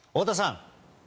太田さん。